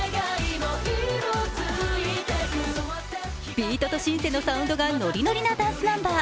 ビートとシンセのサウンドがノリノリのダンスナンバー。